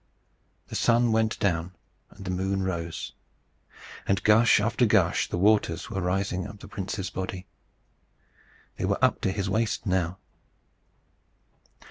The sun went down, and the moon rose, and, gush after gush, the waters were rising up the prince's body. They were up to his waist now.